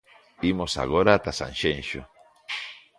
Imos agora ata Sanxenxo.